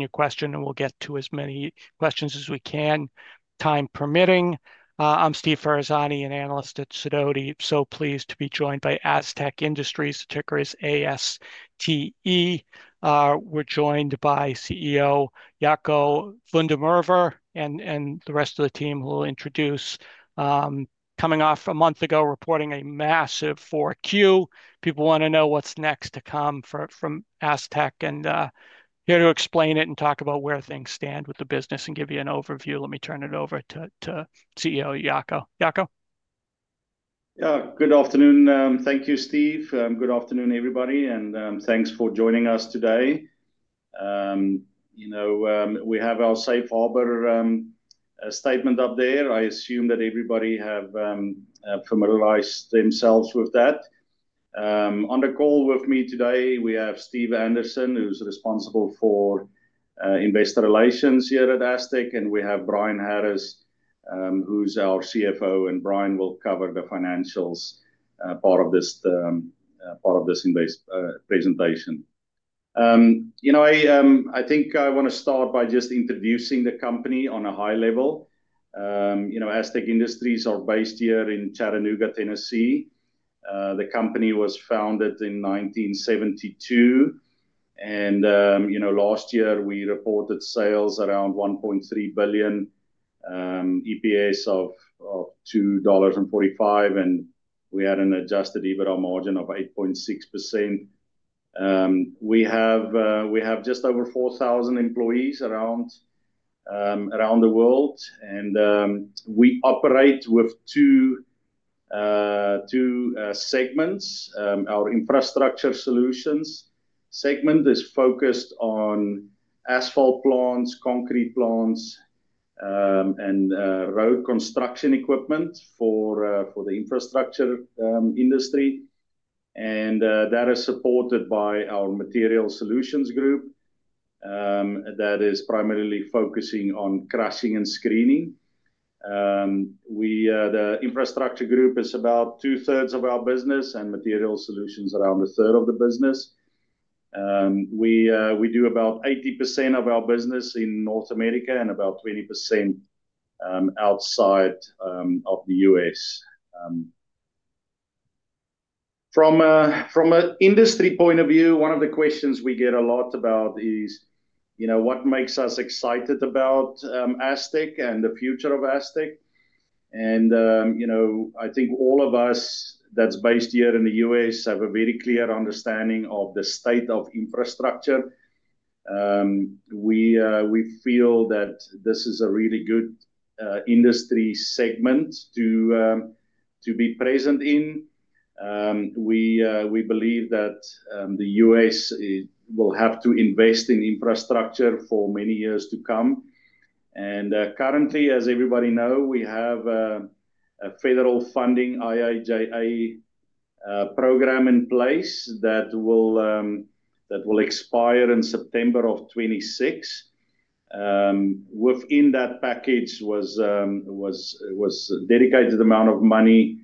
Your question, and we'll get to as many questions as we can, time permitting. I'm Steve Ferazani, an Analyst at Sidoti. So pleased to be joined by Astec Industries, ticker is A S T E. We're joined by CEO Jaco van der Merwe and the rest of the team who will introduce. Coming off a month ago, reporting a massive 4Q, people want to know what's next to come from Astec, and here to explain it and talk about where things stand with the business and give you an overview. Let me turn it over to CEO Jaco. Jaco. Good afternoon. Thank you, Steve. Good afternoon, everybody. Thanks for joining us today. You know, we have our safe harbor statement up there. I assume that everybody has familiarized themselves with that. On the call with me today, we have Steve Anderson, who's responsible for investor relations here at Astec, and we have Brian Harris, who's our CFO, and Brian will cover the financials part of this presentation. You know, I think I want to start by just introducing the company on a high level. You know, Astec Industries are based here in Chattanooga, Tennessee. The company was founded in 1972. You know, last year, we reported sales around $1.3 billion, EPS of $2.45, and we had an adjusted EBITDA margin of 8.6%. We have just over 4,000 employees around the world, and we operate with two segments. Our Infrastructure Solutions segment is focused on asphalt plants, concrete plants, and road construction equipment for the infrastructure industry. That is supported by our Materials Solutions group that is primarily focusing on crushing and screening. The infrastructure group is about two-thirds of our business and Materials Solutions around a third of the business. We do about 80% of our business in North America and about 20% outside of the U.S. From an industry point of view, one of the questions we get a lot about is, you know, what makes us excited about Astec and the future of Astec? You know, I think all of us that's based here in the U.S. have a very clear understanding of the state of infrastructure. We feel that this is a really good industry segment to be present in. We believe that the U.S. will have to invest in infrastructure for many years to come. Currently, as everybody knows, we have a federal funding IIJA program in place that will expire in September of 2026. Within that package was dedicated the amount of money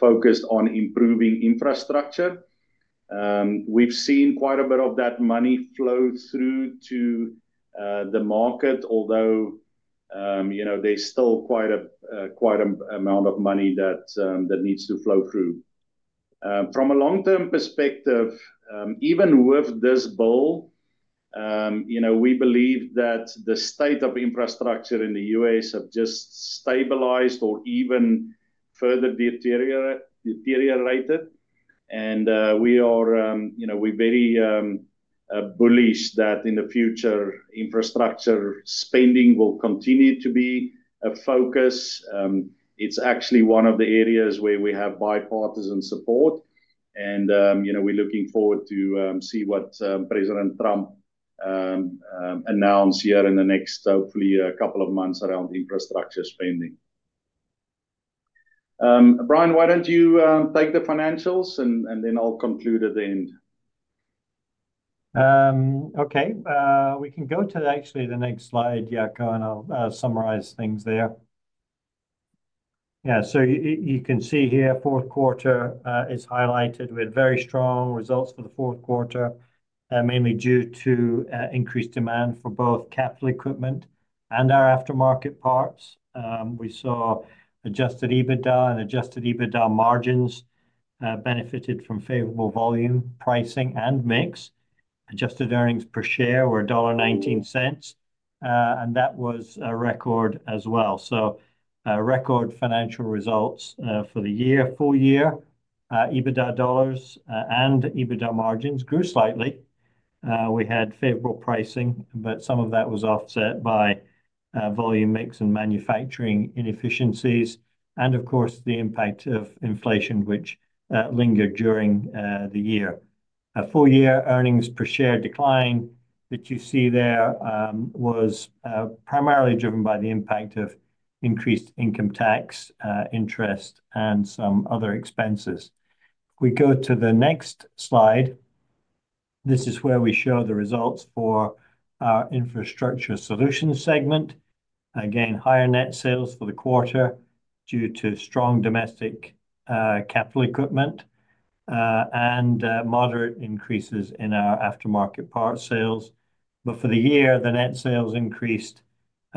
focused on improving infrastructure. We've seen quite a bit of that money flow through to the market, although, you know, there's still quite an amount of money that needs to flow through. From a long-term perspective, even with this bill, you know, we believe that the state of infrastructure in the U.S. has just stabilized or even further deteriorated. We are, you know, we're very bullish that in the future, infrastructure spending will continue to be a focus. It's actually one of the areas where we have bipartisan support. You know, we're looking forward to see what President Trump announces here in the next, hopefully, a couple of months around infrastructure spending. Brian, why don't you take the financials, and then I'll conclude at the end? Okay. We can go to actually the next slide, Jaco, and I'll summarize things there. Yeah. You can see here, fourth quarter is highlighted with very strong results for the fourth quarter, mainly due to increased demand for both capital equipment and our aftermarket parts. We saw adjusted EBITDA and adjusted EBITDA margins benefited from favorable volume pricing and mix. Adjusted earnings per share were $1.19, and that was a record as well. Record financial results for the year, full year, EBITDA dollars and EBITDA margins grew slightly. We had favorable pricing, but some of that was offset by volume mix and manufacturing inefficiencies, and of course, the impact of inflation, which lingered during the year. A full year earnings per share decline that you see there was primarily driven by the impact of increased income tax, interest, and some other expenses. If we go to the next slide, this is where we show the results for our Infrastructure Solutions segment. Again, higher net sales for the quarter due to strong domestic capital equipment and moderate increases in our aftermarket part sales. For the year, the net sales increased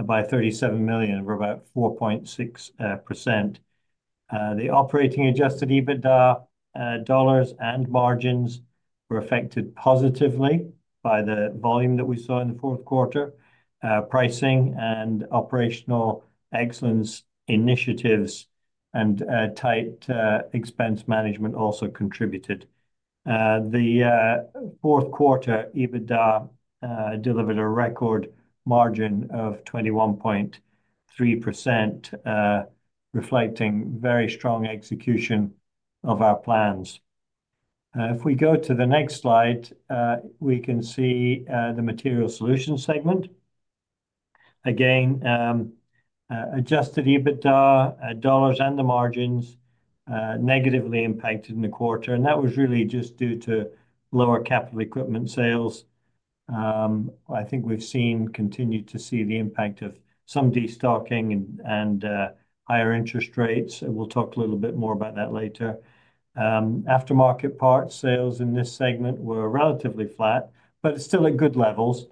by $37 million or about 4.6%. The operating adjusted EBITDA dollars and margins were affected positively by the volume that we saw in the fourth quarter. Pricing and operational excellence initiatives and tight expense management also contributed. The fourth quarter EBITDA delivered a record margin of 21.3%, reflecting very strong execution of our plans. If we go to the next slide, we can see the Materials Solutions segment. Again, adjusted EBITDA dollars and the margins negatively impacted in the quarter. That was really just due to lower capital equipment sales. I think we've seen continued to see the impact of some destocking and higher interest rates. We'll talk a little bit more about that later. Aftermarket part sales in this segment were relatively flat, but it's still at good levels.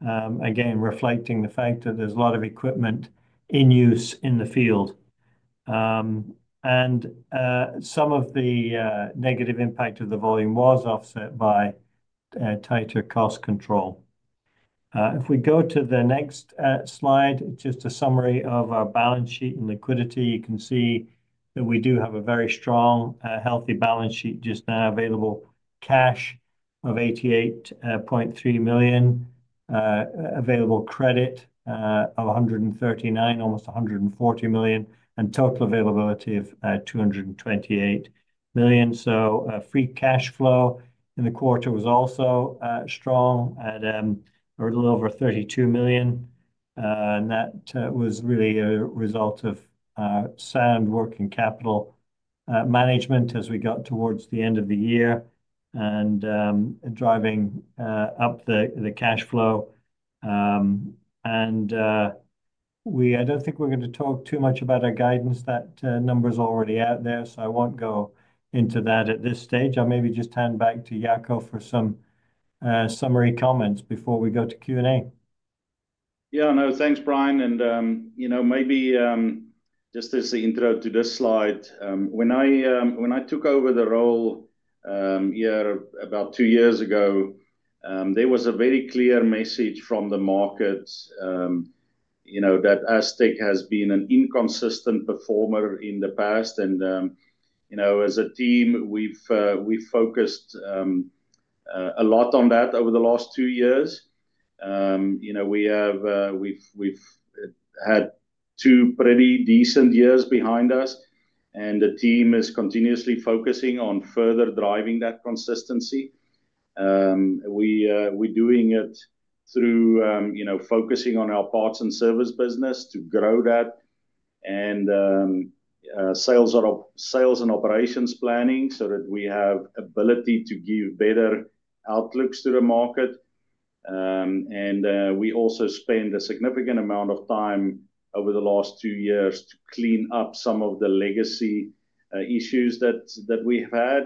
Again, reflecting the fact that there's a lot of equipment in use in the field. Some of the negative impact of the volume was offset by tighter cost control. If we go to the next slide, it's just a summary of our balance sheet and liquidity. You can see that we do have a very strong, healthy balance sheet just now, available cash of $88.3 million, available credit of $139 million, almost $140 million, and total availability of $228 million. Free cash flow in the quarter was also strong at a little over $32 million. That was really a result of sound working capital management as we got towards the end of the year and driving up the cash flow. I do not think we are going to talk too much about our guidance. That number is already out there, so I will not go into that at this stage. I will maybe just hand back to Jaco for some summary comments before we go to Q&A. Yeah, no, thanks, Brian. You know, maybe just as the intro to this slide, when I took over the role here about two years ago, there was a very clear message from the markets, you know, that Astec has been an inconsistent performer in the past. You know, as a team, we've focused a lot on that over the last two years. We've had two pretty decent years behind us, and the team is continuously focusing on further driving that consistency. We're doing it through, you know, focusing on our parts and service business to grow that and sales and operations planning so that we have the ability to give better outlooks to the market. We also spend a significant amount of time over the last two years to clean up some of the legacy issues that we've had.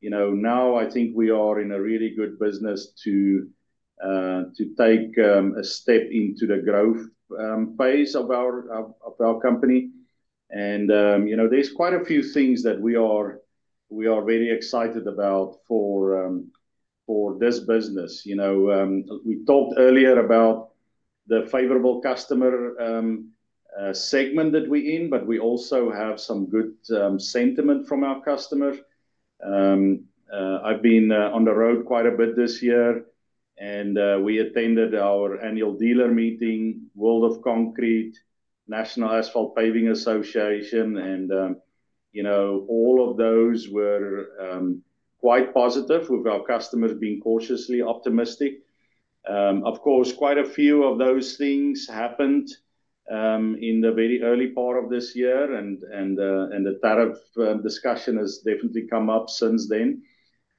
You know, now I think we are in a really good business to take a step into the growth phase of our company. You know, there are quite a few things that we are very excited about for this business. You know, we talked earlier about the favorable customer segment that we're in, but we also have some good sentiment from our customers. I've been on the road quite a bit this year, and we attended our annual dealer meeting, World of Concrete, National Asphalt Paving Association, and, you know, all of those were quite positive, with our customers being cautiously optimistic. Of course, quite a few of those things happened in the very early part of this year, and the tariff discussion has definitely come up since then.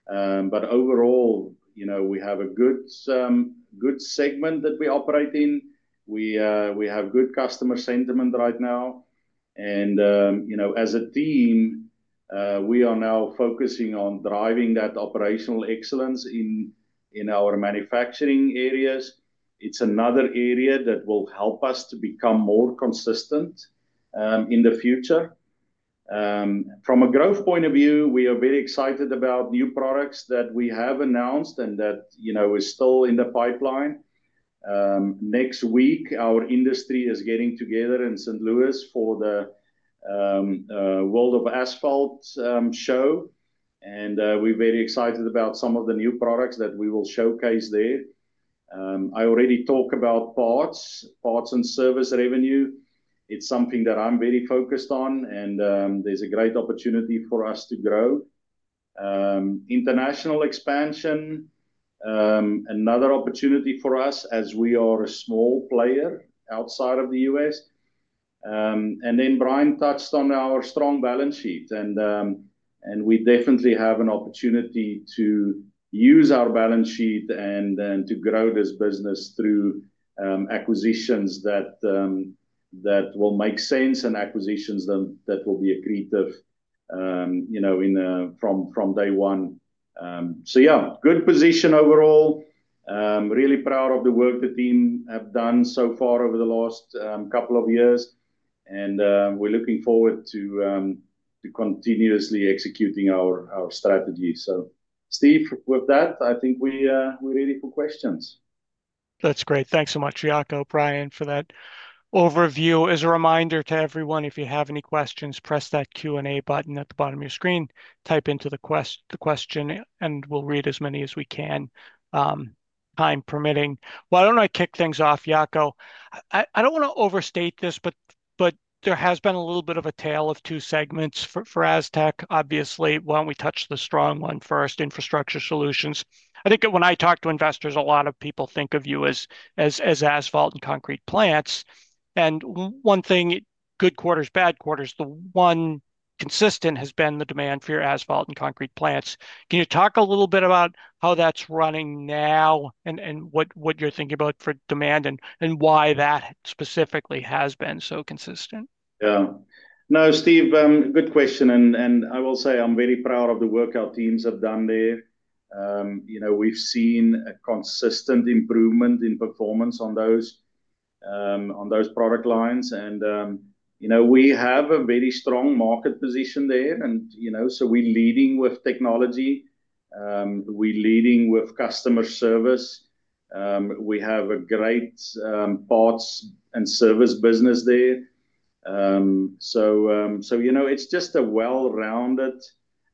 Overall, you know, we have a good segment that we operate in. We have good customer sentiment right now. You know, as a team, we are now focusing on driving that operational excellence in our manufacturing areas. It's another area that will help us to become more consistent in the future. From a growth point of view, we are very excited about new products that we have announced and that, you know, are still in the pipeline. Next week, our industry is getting together in St. Louis, Missouri for the World of Asphalt show, and we are very excited about some of the new products that we will showcase there. I already talked about parts, parts and service revenue. It's something that I'm very focused on, and there's a great opportunity for us to grow. International expansion, another opportunity for us as we are a small player outside of the U.S. Brian touched on our strong balance sheet, and we definitely have an opportunity to use our balance sheet and to grow this business through acquisitions that will make sense and acquisitions that will be accretive, you know, from day one. Yeah, good position overall. Really proud of the work the team have done so far over the last couple of years, and we're looking forward to continuously executing our strategy. Steve, with that, I think we're ready for questions. That's great. Thanks so much, Jaco, Brian, for that overview. As a reminder to everyone, if you have any questions, press that Q&A button at the bottom of your screen, type into the question, and we'll read as many as we can, time permitting. I don't want to kick things off, Jaco. I don't want to overstate this, but there has been a little bit of a tale of two segments for Astec. Obviously, why don't we touch the strong one first, Infrastructure Solutions. I think when I talk to investors, a lot of people think of you as asphalt and concrete plants. And one thing, good quarters, bad quarters, the one consistent has been the demand for your asphalt and concrete plants. Can you talk a little bit about how that's running now and what you're thinking about for demand and why that specifically has been so consistent? Yeah. No, Steve, good question. I will say I'm very proud of the work our teams have done there. You know, we've seen a consistent improvement in performance on those product lines. You know, we have a very strong market position there. You know, we're leading with technology. We're leading with customer service. We have a great parts and service business there. You know, it's just a well-rounded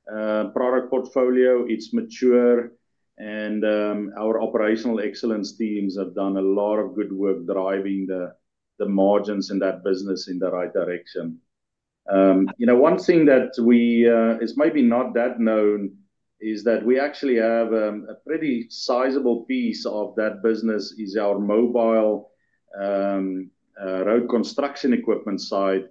product portfolio. It's mature, and our operational excellence teams have done a lot of good work driving the margins in that business in the right direction. You know, one thing that is maybe not that known is that we actually have a pretty sizable piece of that business is our mobile road construction equipment side,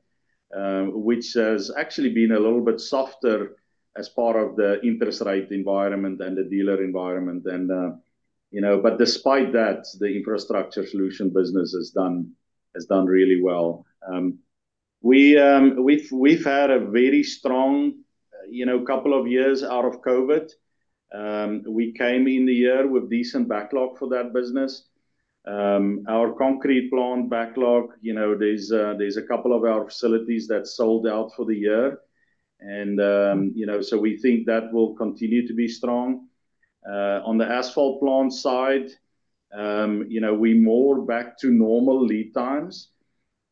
which has actually been a little bit softer as part of the interest rate environment and the dealer environment. You know, despite that, the Infrastructure Solutions business has done really well. We've had a very strong, you know, couple of years out of COVID. We came in the year with decent backlog for that business. Our concrete plant backlog, you know, there's a couple of our facilities that sold out for the year. You know, we think that will continue to be strong. On the asphalt plant side, you know, we're more back to normal lead times.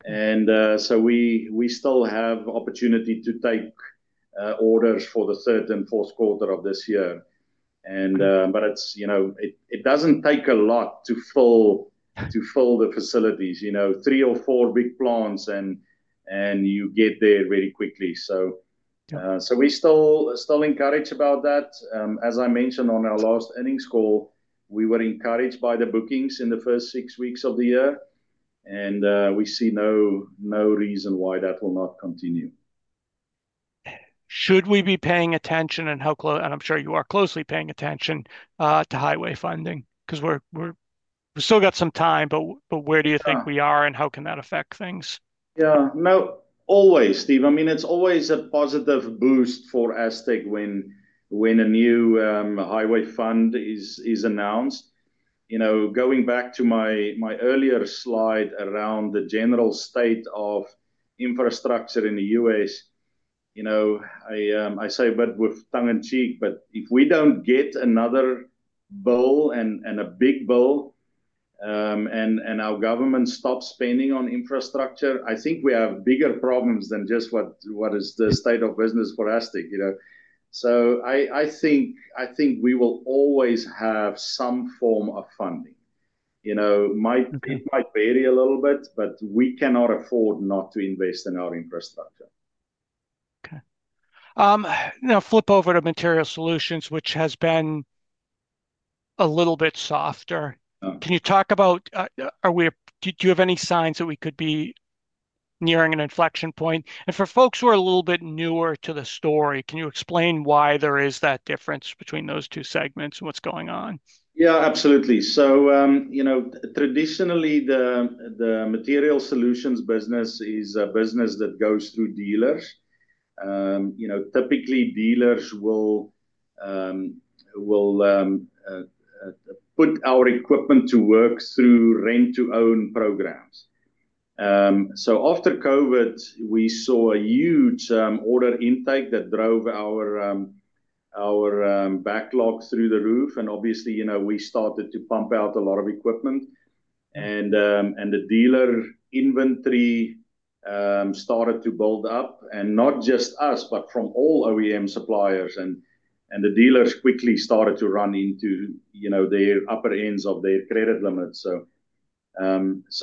We still have opportunity to take orders for the third and fourth quarter of this year. It doesn't take a lot to fill the facilities, you know, three or four big plants, and you get there very quickly. We still encourage about that. As I mentioned on our last earnings call, we were encouraged by the bookings in the first six weeks of the year, and we see no reason why that will not continue. Should we be paying attention and how close, and I'm sure you are closely paying attention to highway funding? Because we've still got some time, but where do you think we are and how can that affect things? Yeah, no, always, Steve. I mean, it's always a positive boost for Astec when a new highway fund is announced. You know, going back to my earlier slide around the general state of infrastructure in the U.S., you know, I say a bit with tongue in cheek, but if we don't get another bill and a big bill and our government stops spending on infrastructure, I think we have bigger problems than just what is the state of business for Astec, you know. I think we will always have some form of funding. You know, it might vary a little bit, but we cannot afford not to invest in our infrastructure. Okay. Now, flip over to Materials Solutions, which has been a little bit softer. Can you talk about, do you have any signs that we could be nearing an inflection point? For folks who are a little bit newer to the story, can you explain why there is that difference between those two segments and what's going on? Yeah, absolutely. You know, traditionally, the Materials Solutions business is a business that goes through dealers. You know, typically, dealers will put our equipment to work through rent-to-own programs. After COVID, we saw a huge order intake that drove our backlog through the roof. Obviously, you know, we started to pump out a lot of equipment, and the dealer inventory started to build up, and not just us, but from all OEM suppliers. The dealers quickly started to run into, you know, the upper ends of their credit limits.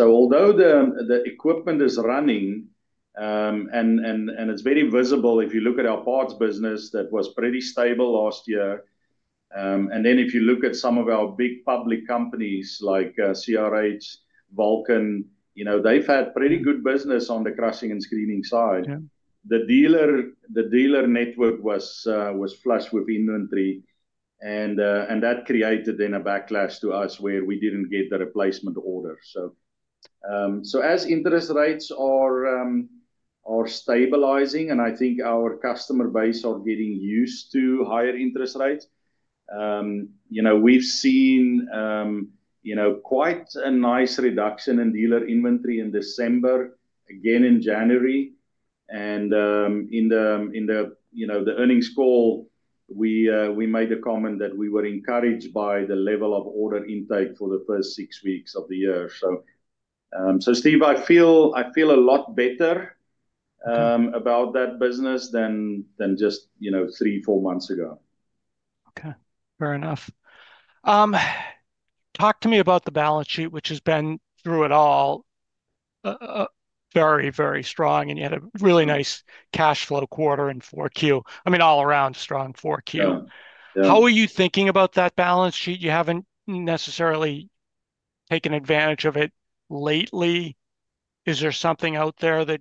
Although the equipment is running, and it's very visible if you look at our parts business, that was pretty stable last year. If you look at some of our big public companies like CRH, Vulcan, you know, they've had pretty good business on the crushing and screening side. The dealer network was flush with inventory, and that created then a backlash to us where we did not get the replacement order. As interest rates are stabilizing, and I think our customer base are getting used to higher interest rates, you know, we have seen, you know, quite a nice reduction in dealer inventory in December, again in January. In the, you know, the earnings call, we made a comment that we were encouraged by the level of order intake for the first six weeks of the year. Steve, I feel a lot better about that business than just, you know, three, four months ago. Okay, fair enough. Talk to me about the balance sheet, which has been, through it all, very, very strong, and you had a really nice cash flow quarter in 4Q. I mean, all around strong 4Q. How are you thinking about that balance sheet? You haven't necessarily taken advantage of it lately. Is there something out there that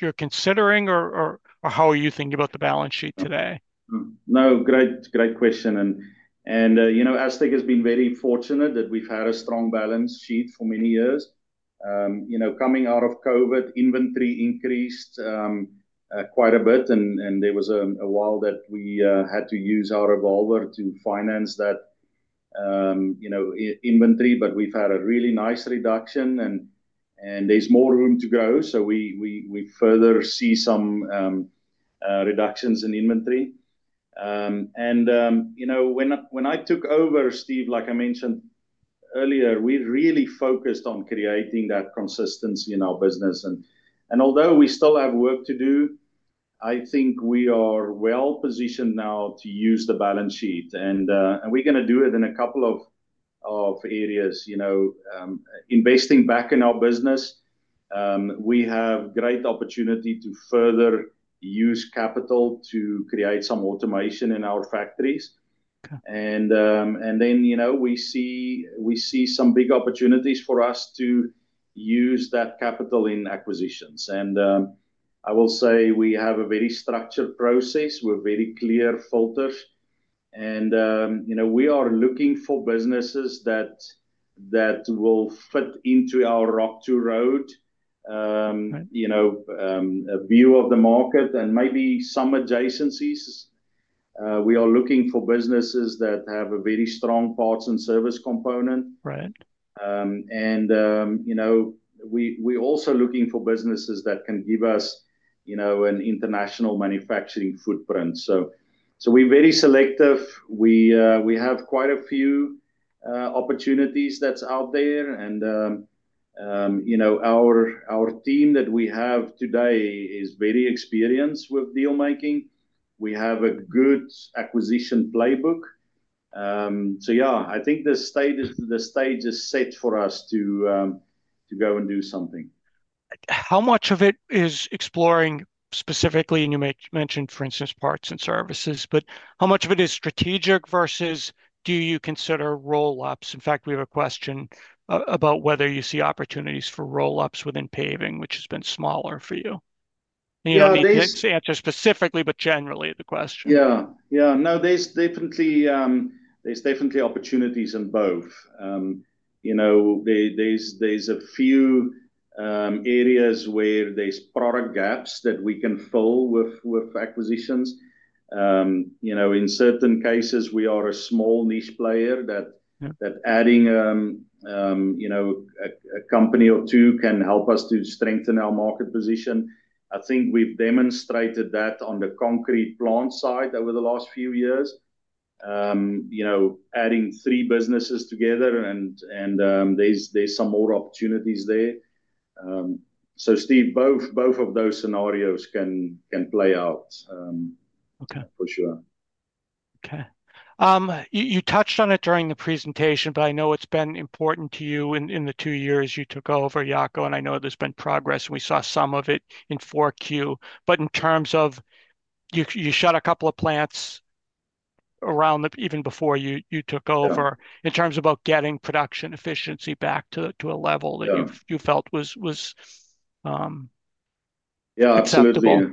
you're considering, or how are you thinking about the balance sheet today? Great question. You know, Astec has been very fortunate that we've had a strong balance sheet for many years. You know, coming out of COVID, inventory increased quite a bit, and there was a while that we had to use our revolver to finance that inventory, but we've had a really nice reduction, and there's more room to grow. We further see some reductions in inventory. You know, when I took over, Steve, like I mentioned earlier, we really focused on creating that consistency in our business. Although we still have work to do, I think we are well positioned now to use the balance sheet, and we're going to do it in a couple of areas. You know, investing back in our business, we have great opportunity to further use capital to create some automation in our factories. You know, we see some big opportunities for us to use that capital in acquisitions. I will say we have a very structured process with very clear filters. You know, we are looking for businesses that will fit into our Rock-to-Road, you know, view of the market and maybe some adjacencies. We are looking for businesses that have a very strong parts and service component. You know, we're also looking for businesses that can give us, you know, an international manufacturing footprint. We are very selective. We have quite a few opportunities that are out there. You know, our team that we have today is very experienced with deal-making. We have a good acquisition playbook. Yeah, I think the stage is set for us to go and do something. How much of it is exploring specifically, and you mentioned, for instance, parts and services, but how much of it is strategic versus do you consider roll-ups? In fact, we have a question about whether you see opportunities for roll-ups within paving, which has been smaller for you. You do not need to answer specifically, but generally the question. Yeah, yeah. No, there's definitely opportunities in both. You know, there's a few areas where there's product gaps that we can fill with acquisitions. You know, in certain cases, we are a small niche player that adding, you know, a company or two can help us to strengthen our market position. I think we've demonstrated that on the concrete plant side over the last few years, you know, adding three businesses together, and there's some more opportunities there. Steve, both of those scenarios can play out for sure. Okay. You touched on it during the presentation, but I know it's been important to you in the two years you took over, Jaco, and I know there's been progress, and we saw some of it in Q4. In terms of you shot a couple of plants around even before you took over, in terms of about getting production efficiency back to a level that you felt was. Yeah, absolutely.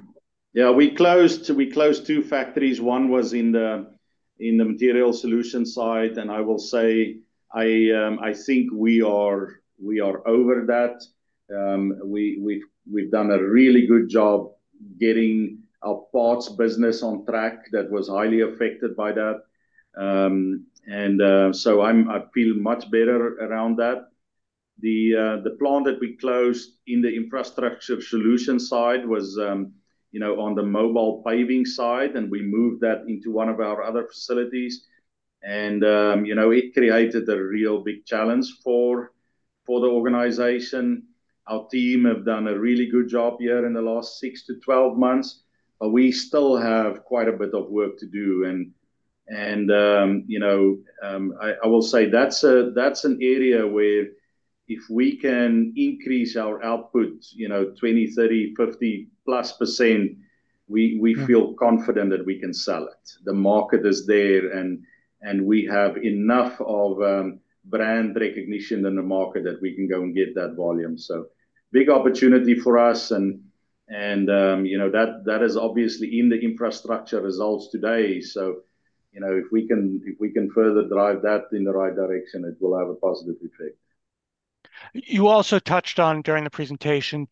Yeah, we closed two factories. One was in the Materials Solutions side, and I will say I think we are over that. We've done a really good job getting our parts business on track that was highly affected by that. I feel much better around that. The plant that we closed in the Infrastructure Solutions side was, you know, on the mobile paving side, and we moved that into one of our other facilities. You know, it created a real big challenge for the organization. Our team have done a really good job here in the last 6 months-12 months, but we still have quite a bit of work to do. You know, I will say that's an area where if we can increase our output, you know, +20%, +30%, +50%, we feel confident that we can sell it. The market is there, and we have enough of brand recognition in the market that we can go and get that volume. Big opportunity for us. You know, that is obviously in the infrastructure results today. You know, if we can further drive that in the right direction, it will have a positive effect. You also touched on during the presentation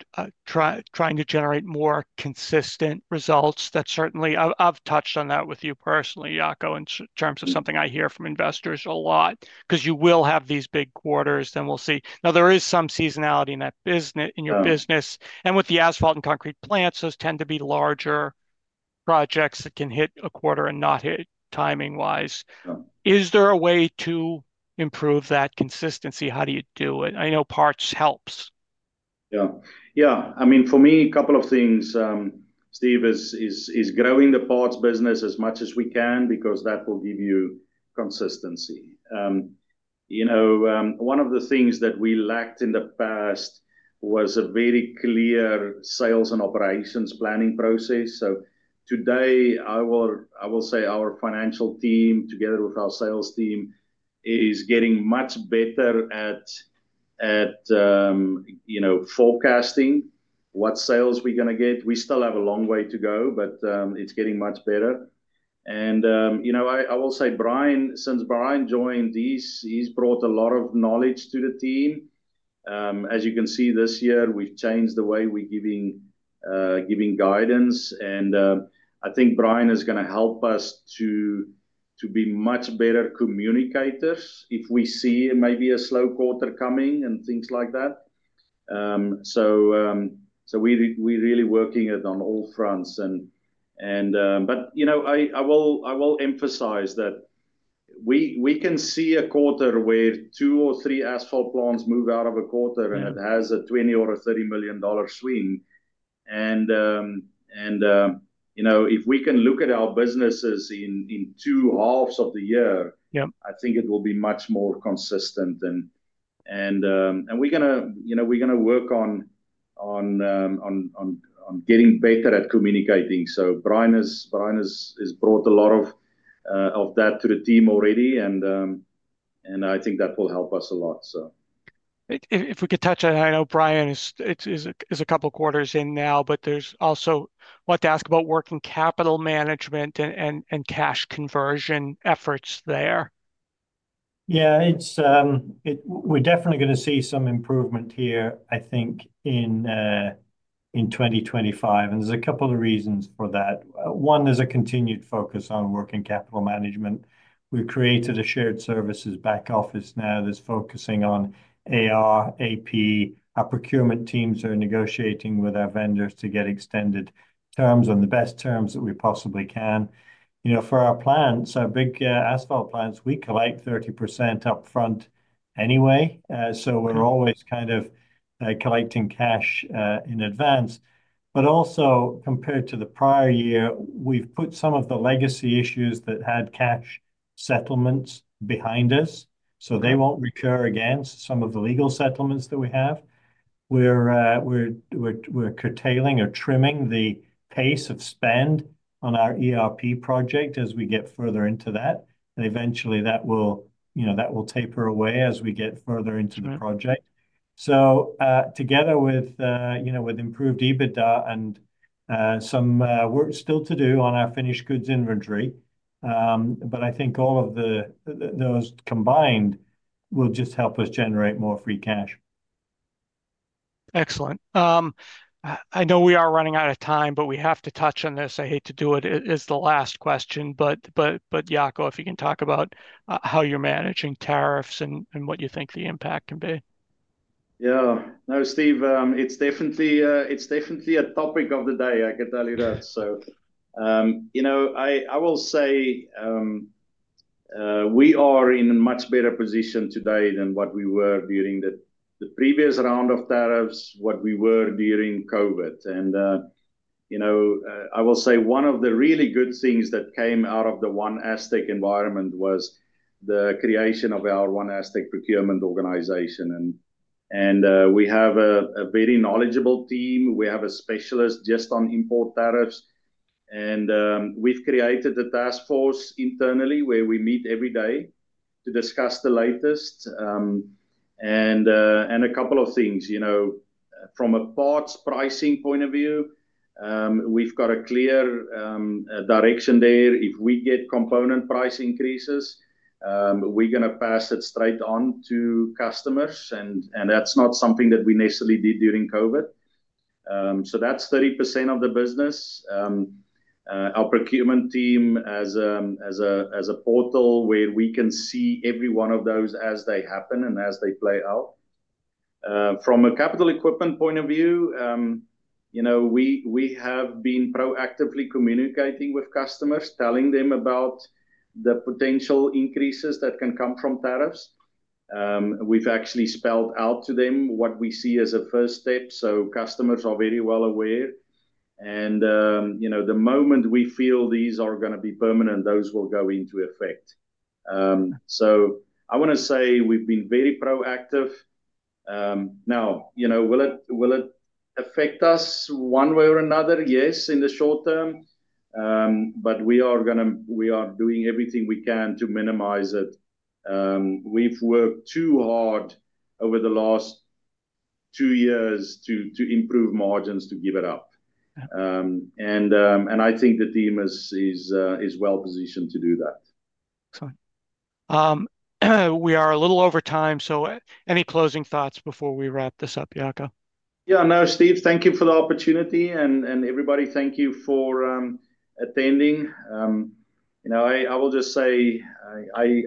trying to generate more consistent results that certainly I've touched on that with you personally, Jaco, in terms of something I hear from investors a lot, because you will have these big quarters, then we'll see. Now, there is some seasonality in your business. With the asphalt and concrete plants, those tend to be larger projects that can hit a quarter and not hit timing-wise. Is there a way to improve that consistency? How do you do it? I know parts helps. Yeah, yeah. I mean, for me, a couple of things. Steve is growing the parts business as much as we can because that will give you consistency. You know, one of the things that we lacked in the past was a very clear sales and operations planning process. Today, I will say our financial team together with our sales team is getting much better at, you know, forecasting what sales we're going to get. We still have a long way to go, but it's getting much better. You know, I will say, Brian, since Brian joined, he's brought a lot of knowledge to the team. As you can see this year, we've changed the way we're giving guidance. I think Brian is going to help us to be much better communicators if we see maybe a slow quarter coming and things like that. We're really working on all fronts. You know, I will emphasize that we can see a quarter where two or three asphalt plants move out of a quarter and it has a $20 million or a $30 million swing. You know, if we can look at our businesses in two halves of the year, I think it will be much more consistent. We're going to work on getting better at communicating. Brian has brought a lot of that to the team already, and I think that will help us a lot. If we could touch on that, I know Brian is a couple of quarters in now, but there's also what to ask about working capital management and cash conversion efforts there. Yeah, we're definitely going to see some improvement here, I think, in 2025. There's a couple of reasons for that. One, there's a continued focus on working capital management. We've created a shared services back office now that's focusing on AR, AP. Our procurement teams are negotiating with our vendors to get extended terms on the best terms that we possibly can. You know, for our plants, our big asphalt plants, we collect 30% upfront anyway. We're always kind of collecting cash in advance. Also, compared to the prior year, we've put some of the legacy issues that had cash settlements behind us, so they won't recur against some of the legal settlements that we have. We're curtailing or trimming the pace of spend on our ERP project as we get further into that. Eventually, that will, you know, that will taper away as we get further into the project. Together with, you know, with improved EBITDA and some work still to do on our finished goods inventory, but I think all of those combined will just help us generate more free cash. Excellent. I know we are running out of time, but we have to touch on this. I hate to do it. It's the last question, but Jaco, if you can talk about how you're managing tariffs and what you think the impact can be. Yeah. No, Steve, it's definitely a topic of the day. I can tell you that. You know, I will say we are in a much better position today than what we were during the previous round of tariffs, what we were during COVID. You know, I will say one of the really good things that came out of the OneASTEC environment was the creation of our OneASTEC procurement organization. We have a very knowledgeable team. We have a specialist just on import tariffs. We have created a task force internally where we meet every day to discuss the latest. A couple of things, you know, from a parts pricing point of view, we've got a clear direction there. If we get component price increases, we're going to pass it straight on to customers. That's not something that we necessarily did during COVID. That's 30% of the business. Our procurement team has a portal where we can see every one of those as they happen and as they play out. From a capital equipment point of view, you know, we have been proactively communicating with customers, telling them about the potential increases that can come from tariffs. We've actually spelled out to them what we see as a first step. Customers are very well aware. You know, the moment we feel these are going to be permanent, those will go into effect. I want to say we've been very proactive. You know, will it affect us one way or another? Yes, in the short term. We are going to, we are doing everything we can to minimize it. We've worked too hard over the last two years to improve margins to give it up. I think the team is well positioned to do that. Excellent. We are a little over time. Any closing thoughts before we wrap this up, Jaco? Yeah, no, Steve, thank you for the opportunity. And everybody, thank you for attending. You know, I will just say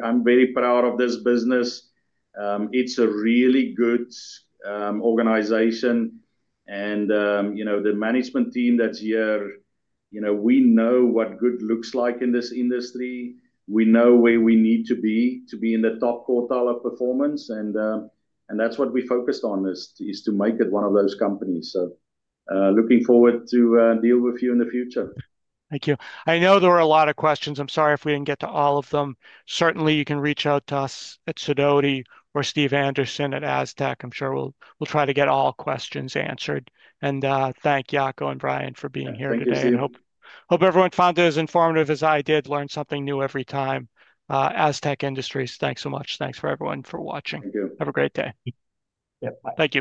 I'm very proud of this business. It's a really good organization. And, you know, the management team that's here, you know, we know what good looks like in this industry. We know where we need to be to be in the top quartile of performance. And that's what we focused on is to make it one of those companies. So looking forward to dealing with you in the future. Thank you. I know there were a lot of questions. I'm sorry if we didn't get to all of them. Certainly, you can reach out to us at Sidoti or Steve Anderson at Astec. I'm sure we'll try to get all questions answered. Thank Jaco and Brian for being here today. Hope everyone found it as informative as I did, learned something new every time. Astec Industries, thanks so much. Thanks for everyone for watching. Thank you. Have a great day. Yeah, bye. Thank you.